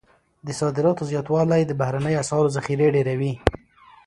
د صادراتو زیاتوالی د بهرنیو اسعارو ذخیرې ډیروي.